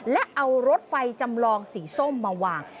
และเอารถไฟจำลองสีส้มมาวาง